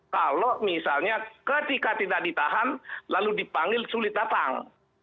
kalau misalnya ketika tidak ditahan lalu dipanggil sulit datang